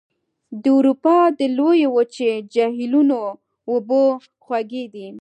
د اروپا د لویې وچې جهیلونو اوبه خوږې دي.